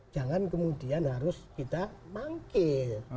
jangan kemudian harus kita mangkir